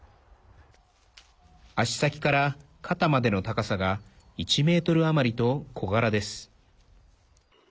足先から肩までの高さが１ｍ余りと、小柄です。